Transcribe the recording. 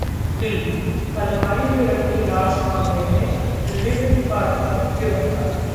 दिल्लीः अलमारी में रखी लाश मामले में लिव-इन पार्टनर गिरफ्तार